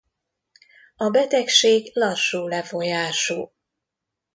A betegség lassú lefolyású.